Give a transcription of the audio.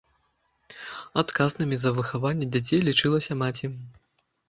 Адказнымі за выхаванне дзяцей лічылася маці.